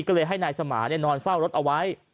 ก็เลยให้นายสมานอนเฝ้ารถเอาไว้